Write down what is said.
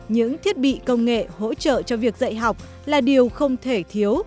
những thiết bị công nghệ hỗ trợ cho việc dạy học là điều không thể thiếu